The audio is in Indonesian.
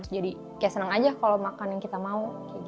jadi kayak senang aja kalau makan yang kita mau